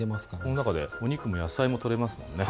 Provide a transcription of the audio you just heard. この中でお肉も野菜もとれますもんね。